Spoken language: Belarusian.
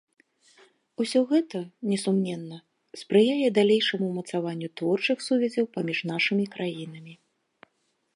Усё гэта, несумненна, спрыяе далейшаму ўмацаванню творчых сувязяў паміж нашымі краінамі.